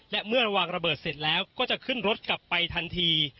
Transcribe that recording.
และเมื่อวางระเบิดเสร็จแล้วก็จะขึ้นรถกลับไปทันที